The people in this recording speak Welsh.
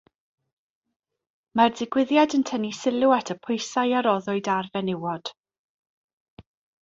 Mae'r digwyddiad yn tynnu sylw at y pwysau a roddwyd ar fenywod.